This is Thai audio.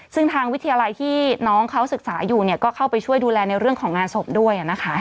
ซึ่งทางวิทยาลัยที่น้องเขาศึกษาอยู่ก็เข้าไปช่วยดูแลในเรื่องของงานศพด้วยนะคะ